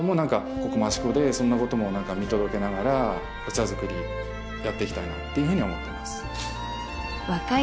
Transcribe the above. ここ益子でそんなことも見届けながら器作りやっていきたいなっていうふうに思ってます